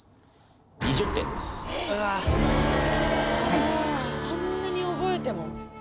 はいあんなに覚えても？